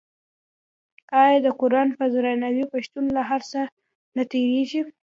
آیا د قران په درناوي پښتون له هر څه نه تیریږي؟